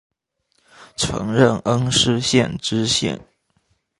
曾任恩施县知县。